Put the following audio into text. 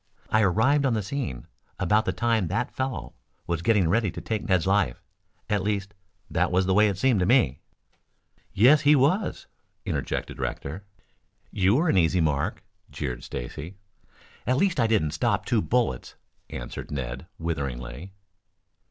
I arrived on the scene about the time that fellow was getting ready to take Ned's life. At least, that was the way it seemed to me." "Yes, he was," interjected Rector. "You were an easy mark!" jeered Stacy. "At least I didn't stop two bullets," answered Ned witheringly.